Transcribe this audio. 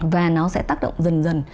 và nó sẽ tác động dần dần